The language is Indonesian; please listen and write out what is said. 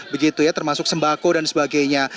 begitu ya termasuk sembako dan sebagainya